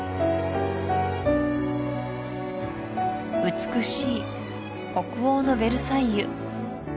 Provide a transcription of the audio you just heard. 美しい北欧のヴェルサイユ